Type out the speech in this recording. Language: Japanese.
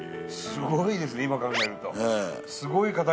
すごいですね今考えると。